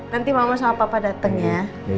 nanti mama sama papa datang ya